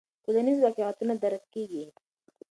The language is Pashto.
ټولنیز واقعیتونه درک کیږي.